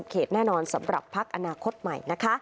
๓๕๐เขตแน่นอนสำหรับพักอาณาคตใหม่